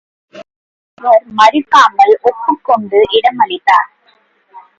முனிவர் மறுக்காமல் ஒப்புக் கொண்டு இடமளித்தார்.